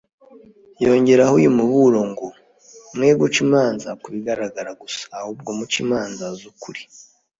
Yongeraho uyu muburo ngo: «mwe guca imanza ku bigaragara gusa, ahubwo muce imanza z'ukuri.»